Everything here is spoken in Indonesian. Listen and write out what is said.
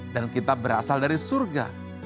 dan kita berasal dari surga